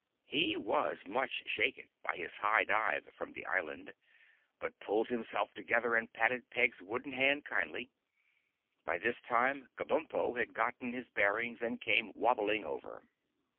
He was much shaken by his high dive from the island, but pulled himself together and patted Peg's wooden hand kindly. By this time Kabumpo had gotten his bearings and came wabbling over.